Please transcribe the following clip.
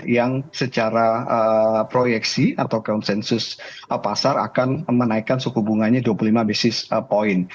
yang secara proyeksi atau konsensus pasar akan menaikkan suku bunganya dua puluh lima basis point